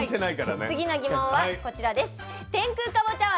次の疑問はこちらです。